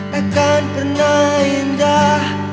takkan pernah indah